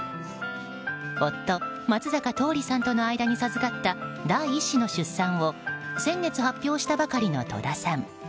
夫・松坂桃李さんとの間に授かった第１子の出産を先月発表したばかりの戸田さん。